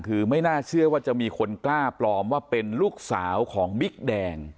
คือไม่น่าเชื่อว่าจะมีคนกล้าปลอมว่าเป็นลูกสาวของบิ๊กแดง